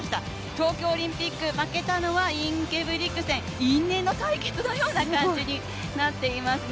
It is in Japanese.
東京オリンピック負けたのはインゲブリクセン因縁の対決のようになっていますね。